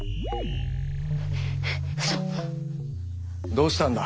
どうしたんだ。